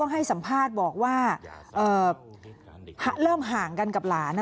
ให้สัมภาษณ์บอกว่าเริ่มห่างกันกับหลาน